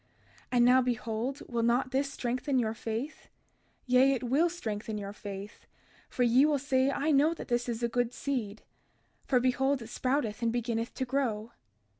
And now behold, will not this strengthen your faith? Yea, it will strengthen your faith: for ye will say I know that this is a good seed; for behold it sprouteth and beginneth to grow.